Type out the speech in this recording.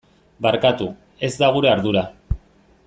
Barkatu, ez da gure ardura.